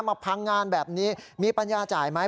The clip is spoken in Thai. มาพังงานแบบนี้มีปัญญาจ่ายไหม